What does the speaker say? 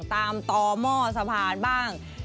ตามต่อหม้อสะพานบ้าง